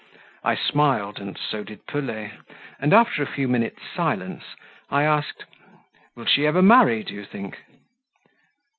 I smiled, and so did Pelet, and after a few minutes' silence, I asked: "Will she ever marry, do you think?"